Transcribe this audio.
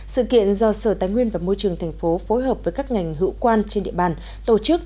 sự kiện do sở tài nguyên và môi trường thành phố phối hợp với các ngành hữu quan trên địa bàn tổ chức